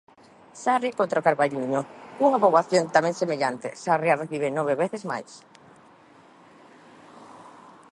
Sarria contra O Carballiño, cunha poboación tamén semellante: Sarria recibe nove veces máis.